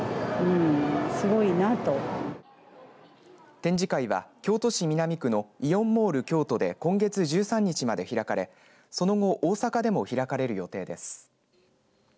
展示会は、京都市南区のイオンモールＫＹＯＴＯで今月１３日まで開かれ、その後大阪でも開かれる予定です。